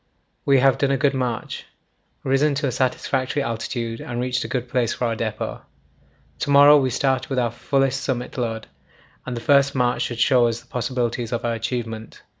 We have done a good march, risen to a satisfactory altitude, and reached a good place for our depot. To morrow we start with our fullest summit load, and the first march should show us the possibilities of our achievement.